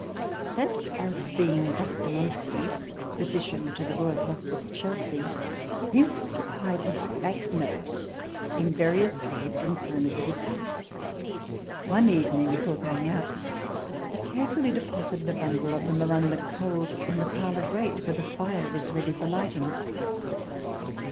That odd being, Dr. Monsey (Physician to the Royal Hospital, Chelsea), used to hide his bank notes in various holes and corners of his house. One evening, before going out, he carefully deposited a bundle of them among the coals in the parlour grate, where the fire was ready for lighting.